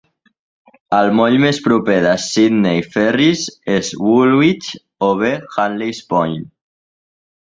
El moll més proper de Sydney Ferries és Woolwich o bé Huntleys Point.